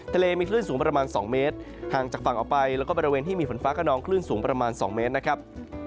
ทะเลมีคลื่นสูงประมาณ๒เมตรห่างจากฝั่งออกไปแล้วก็บริเวณที่มีฝนฟ้าขนองคลื่นสูงประมาณ๒เมตรนะครับ